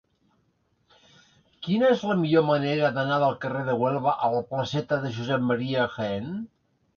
Quina és la millor manera d'anar del carrer de Huelva a la placeta de Josep Ma. Jaén?